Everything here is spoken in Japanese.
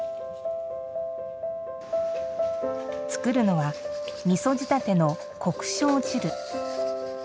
作るのは、みそ仕立ての国清汁。